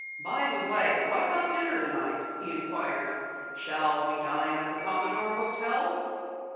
"By the way, what about dinner tonight?" he inquired. "Shall we dine at the Commodore Hotel?"